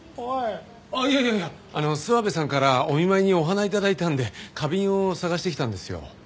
あっいやいやいや諏訪部さんからお見舞いにお花頂いたんで花瓶を探してきたんですよ。